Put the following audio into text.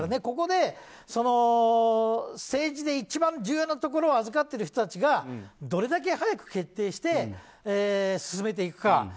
ここで政治で一番重要なところを預かっている人たちがどれだけ早く決定して進めていくか。